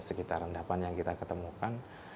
sekitar rendapan yang kita ketemukan